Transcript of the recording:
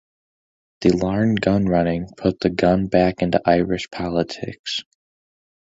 The Larne gun-running put the gun back into Irish politics.